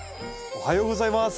おはようございます。